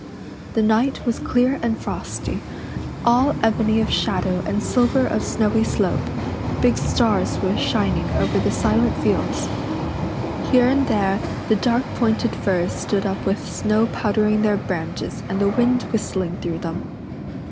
The night was clear and frosty, all ebony of shadow and silver of snowy slope; big stars were shining over the silent fields; here and there the dark pointed firs stood up with snow powdering their branches and the wind whistling through them.